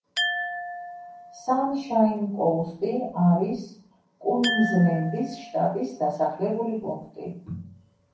სანშაინ-კოუსტი არის კუინზლენდის შტატის დასახლებული პუნქტი.